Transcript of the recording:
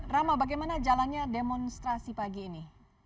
rama bagaimana jalannya demonstrasi pagi ini